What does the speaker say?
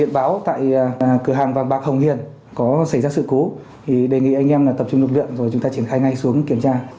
hiện tại công an xã vừa nhận được điện báo tại cửa hàng vàng bạc hồng hiền có xảy ra sự cố thì đề nghị anh em tập trung lực lượng rồi chúng ta triển khai ngay xuống kiểm tra